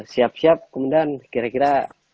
siap siap kemudian kira kira